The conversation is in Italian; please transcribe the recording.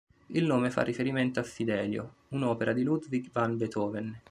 Il nome fa riferimento a Fidelio, un'opera di Ludwig van Beethoven.